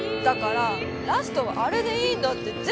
だからラストはあれでいいんだって。